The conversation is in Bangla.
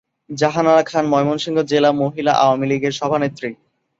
জাহানারা খান ময়মনসিংহ জেলা মহিলা আওয়ামীলীগের সভানেত্রী।